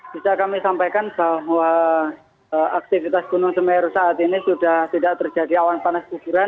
bisa kami sampaikan bahwa aktivitas gunung semeru saat ini sudah tidak terjadi awan panas guguran